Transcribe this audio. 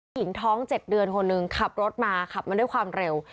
หญิงท้อง๗เดือนคนหนึ่งขับรถมาขับมาด้วยความเร็ว